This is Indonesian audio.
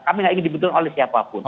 kami nggak ingin dibutuhkan oleh siapapun